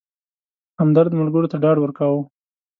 همدرد ملګرو ته ډاډ ورکاوه.